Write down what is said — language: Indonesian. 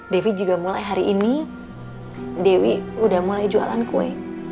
devi juga mulai hari ini dewi udah mulai jualan kue